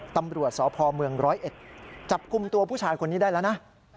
ตำรวจสพเมืองร้อยเอ็ดจับกลุ่มตัวผู้ชายคนนี้ได้แล้วนะ